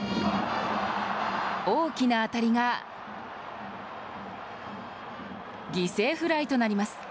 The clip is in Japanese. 大きな当たりが犠牲フライとなります。